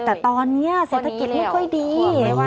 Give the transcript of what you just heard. แต่ตอนนี้เศรษฐกิจไม่ค่อยดี